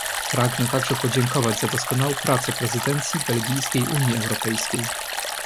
Pragnę także podziękować za doskonałą pracę prezydencji belgijskiej Unii Europejskiej